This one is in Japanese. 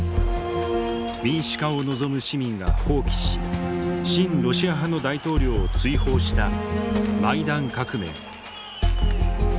民主化を望む市民が蜂起し親ロシア派の大統領を追放したマイダン革命。